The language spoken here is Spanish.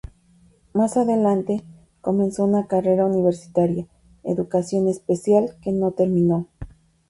Más adelante comenzó una carrera universitaria, educación especial, que no terminó.